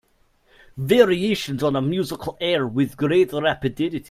Variations on a musical air With great rapidity.